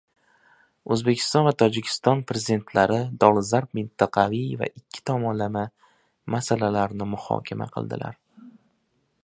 O‘zbekiston va Tojikiston Prezidentlari dolzarb mintaqaviy va ikki tomonlama masalalarni muhokama qildilar